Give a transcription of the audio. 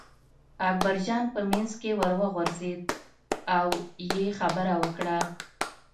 اکبرجان په منځ کې ور وغورځېد او یې خبره وکړه.